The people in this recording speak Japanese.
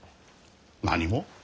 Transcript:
何も？